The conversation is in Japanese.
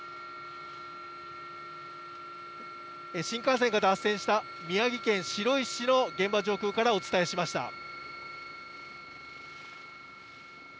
新幹線が脱線した宮城県白石市の現場上空からお伝えしました。